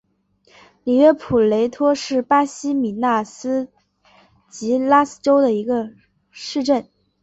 里约普雷托是巴西米纳斯吉拉斯州的一个市镇。